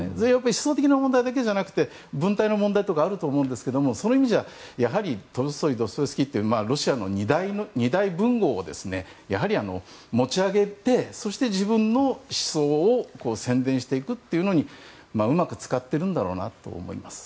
思想的な問題だけじゃなくて文体の問題とかもあると思うんですがそういう意味ではトルストイ、ドストエフスキーはロシアの二大文豪をやはり持ち上げてそして、自分の思想を宣伝していくというふうにうまく使っているんだろうなと思います。